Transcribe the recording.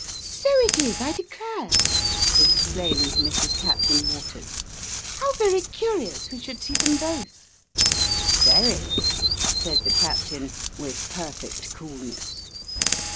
" So it is, I declare !" exclaimed Mrs. Captain Waters. " How very curious we should see them both !"" Very," said the captain, with perfect coolness.